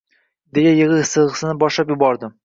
deya yig`i-sig`ini boshlab yubordi